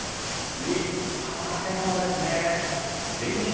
立派な建物ですねえ。